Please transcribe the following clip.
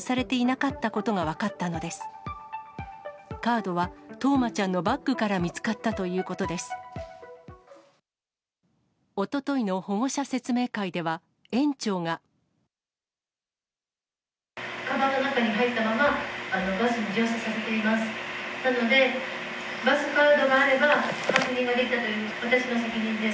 かばんの中に入ったまま、バスに乗車させています。